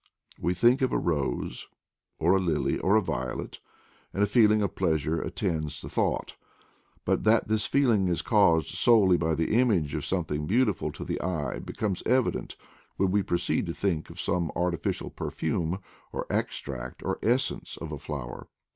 We think of a rose, or a lily, or a violet, and a feeling of pleasure attends the thought; but that this feeling is caused solely by the image of some thing beautiful to the eye becomes evident when we proceed to think of some artificial perfume, or extract, or essence of a flower.